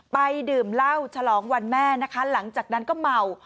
ดื่มเหล้าฉลองวันแม่นะคะหลังจากนั้นก็เมา